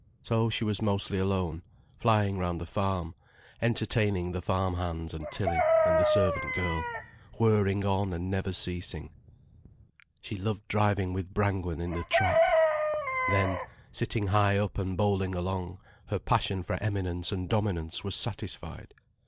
So she was mostly alone, flying round the farm, entertaining the farm hands and Tilly and the servant girl, whirring on and never ceasing. She loved driving with Brangwen in the trap. Then, sitting high up and bowling along, her passion for eminence and dominance was satisfied.